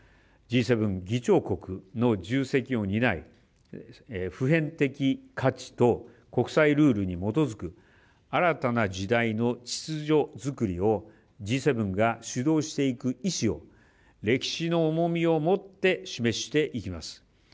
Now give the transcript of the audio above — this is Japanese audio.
Ｇ７議長国の重責を担い普遍的価値と国際ルールに基づく新たな時代の秩序作りをＧ７が主導していく意思を歴史の重みをもって示していきます。